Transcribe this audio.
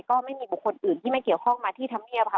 ก็ไม่มีบุคคลอื่นที่ไม่เกี่ยวข้องมาที่ธรรมเนียบค่ะ